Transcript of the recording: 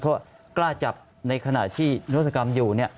เพราะกล้าจับในขณะที่นวัตกรรมอยู่